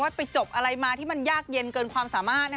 ไปจบอะไรมาที่มันยากเย็นเกินความสามารถ